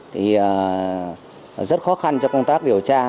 thì rất khó khăn cho công tác điều tra